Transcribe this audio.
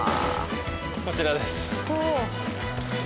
こちらです。